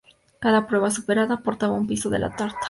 Cada prueba superada aportaba un piso de la tarta.